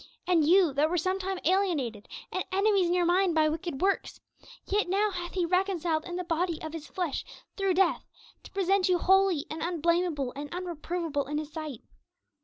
And you, that were sometime alienated, and enemies in your mind by wicked works, yet now hath He reconciled in the body of His flesh through death, to present you holy and unblamable and unreprovable in His sight.